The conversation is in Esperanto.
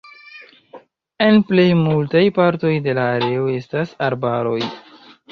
En plej multaj partoj de la areo estas arbaroj.